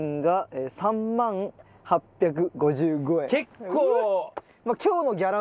結構。